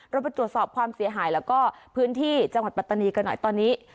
เราไปตรวจสอบความเสียหายแล้วก็พื้นที่จังหวัดปัตตานีกันหน่อยตอนนี้